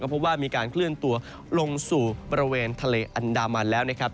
เพราะว่ามีการเคลื่อนตัวลงสู่บริเวณทะเลอันดามันแล้วนะครับ